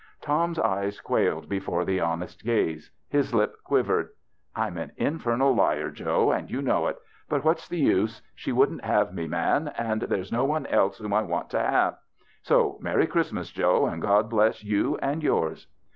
Tom's eyes quailed before the honest gaze. His lip quivered. " I'm an infernal liar, Joe, and you know it. But what's the use ? She wouldn't have me, man — and there's no one else whom I want to have. So, merry Christ mas, Joe, and God bless you and yours."